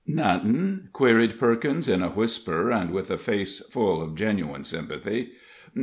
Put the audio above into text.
"Nothin'?" queried Perkins, in a whisper, and with a face full of genuine sympathy.